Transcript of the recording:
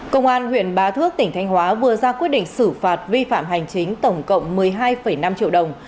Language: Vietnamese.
công an huyện bá thước tỉnh thanh hóa vừa ra quyết định xử phạt vi phạm hành chính tổng cộng một mươi hai năm triệu đồng